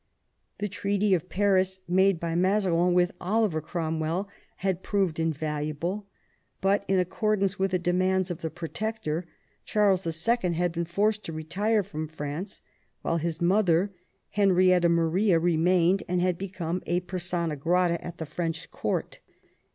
The Treaty of Paris, made by Mazarin with Oliver Cromwell, had proved invaluable, but in accordance with the demands of the P^'otector, Charles 11. had been forced to retire from France, while his mother, Henrietta Maria, remained, and had become a persona grata at the French court.